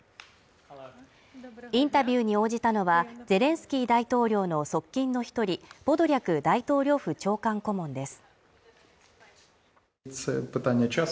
インタビューに応じたのはゼレンスキー大統領の側近の１人、ポドリャク大統領府長官顧問です。